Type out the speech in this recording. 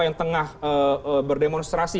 yang tengah berdemonstrasi